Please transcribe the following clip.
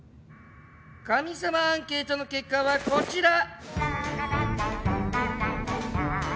神様アンケートの結果はこちら。